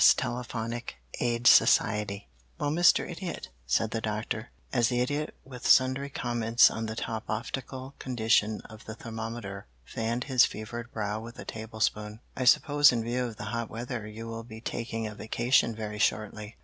TELEPHONIC AID SOCIETY "Well, Mr. Idiot," said the Doctor, as the Idiot with sundry comments on the top loftical condition of the thermometer fanned his fevered brow with a tablespoon, "I suppose in view of the hot weather you will be taking a vacation very shortly."